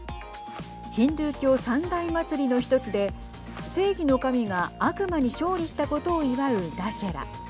ヒンドゥー教３大祭りの１つで正義の神が悪魔に勝利したことを祝うダシェラ。